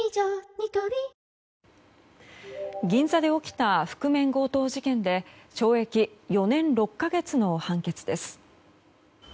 ニトリ銀座で起きた覆面強盗事件で懲役４年６か月の判決です。